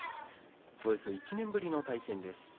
およそ１年ぶりの対戦です。